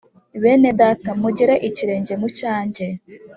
Bene Data mugere ikirenge mu cyanjye